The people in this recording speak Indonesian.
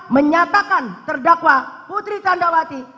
empat menyatakan terdakwa putri jantrawati